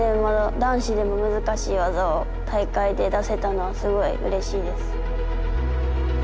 男子でも難しい技を大会で出せたのはすごいうれしいです。